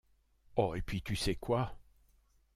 Oh et puis tu sais quoi ?